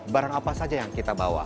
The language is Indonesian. barang apa saja yang kita bawa